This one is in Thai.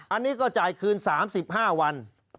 อันนี้ก็จ่ายคืน๓๕วัน